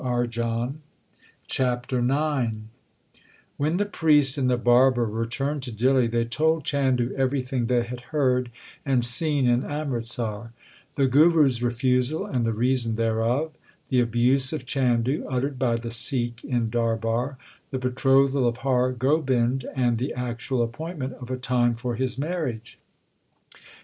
1 CHAPTER IX When the priest and the barber returned to Dihli they told Chandu everything they had heard and seen in Amritsar the Guru s refusal and the reason thereof, the abuse of Chandu uttered by the Sikh in Darbar, the betrothal of Har Gobind and the actual appointment of a time for his marriage.